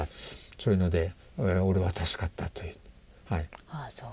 そういうので俺は助かったという。